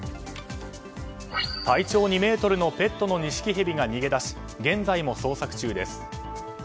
体長２ｍのペットのニシキヘビが逃げ出し現在も捜索中です。